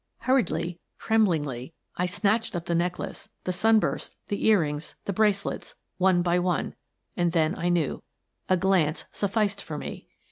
Hurriedly, tremblingly, I snatched up the neck lace, the sunbursts, the earrings, the bracelets, one by one — and then I knew. A glance sufficed for me.